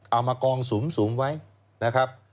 เอามากองสุมไว้นะครับ